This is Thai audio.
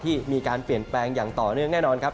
ที่มีการเปลี่ยนแปลงอย่างต่อเนื่องแน่นอนครับ